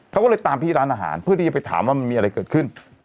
เขาก็เลยตามพี่ร้านอาหารเพื่อที่จะไปถามว่ามันมีอะไรเกิดขึ้น